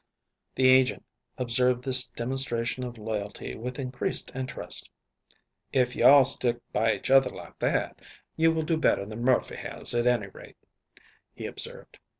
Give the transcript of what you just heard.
The agent observed this demonstration of loyalty with increased interest. "If you all stick by each other like that, you will do better than Murphy has, at any rate," he observed.